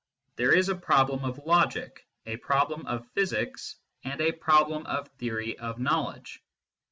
There is a problem of logic, a problem of physics, and a problem of theory of knowledge.